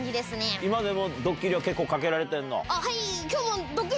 今でもドッキリは結構かけられてるの？はいー。